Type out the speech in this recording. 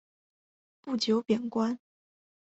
不久贬官。